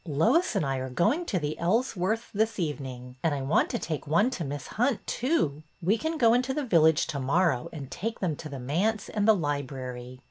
Lois and I are going to the Ellsworths' this evening, and I want to take one to Miss Hunt, too. We can go into the village to morrow and take them to the manse and the library."